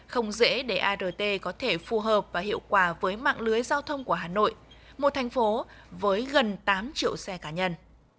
không dễ để art có thể phù hợp và hiệu quả với mạng lưới giao thông của hà nội một thành phố với gần tám triệu xe cá nhân